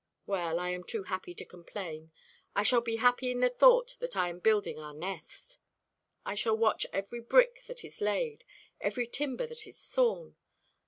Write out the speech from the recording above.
Well, I am too happy to complain. I shall be happy in the thought that I am building our nest. I shall watch every brick that is laid, every timber that is sawn.